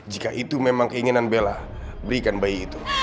jika itu memang keinginan bella berikan bayi itu